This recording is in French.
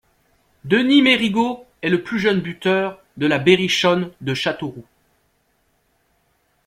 Denis Mérigot est le plus jeune buteur de La Berrichonne de Châteauroux.